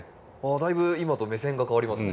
だいぶ今と目線が変わりますね。